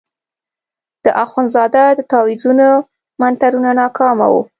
د اخندزاده د تاویزونو منترونه ناکامه وو.